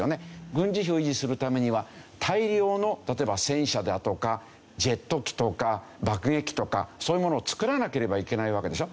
軍事費を維持するためには大量の例えば戦車だとかジェット機とか爆撃機とかそういうものを作らなければいけないわけでしょ。